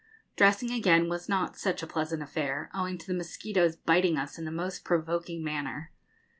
Dressing again was not such a pleasant affair, owing to the mosquitoes biting us in the most provoking manner.